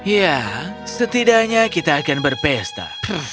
ya setidaknya kita akan berpesta